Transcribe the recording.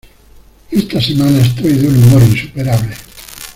Esta semana estoy de un humor insuperable.